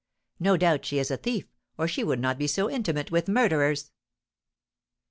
No doubt she is a thief or she would not be so intimate with murderers."